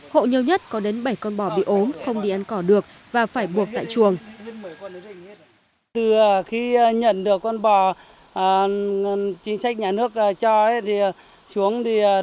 hộ nhiều nhất có đến bảy con bò bị ốm không đi ăn cỏ được và phải buộc tại chuồng